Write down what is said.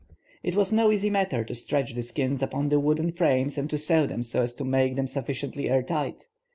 It was no easy matter to stretch the skins upon the wooden frames and to sew them so as to make them sufficiently air tight.